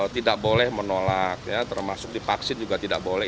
tidak boleh menolak ya termasuk dipaksin juga tidak boleh